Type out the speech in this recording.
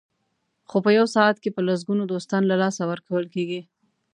خو په یو ساعت کې په لسګونو دوستان له لاسه ورکول کېږي.